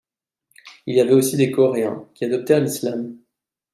Il y avait aussi des Coréens, qui adoptèrent l'islam.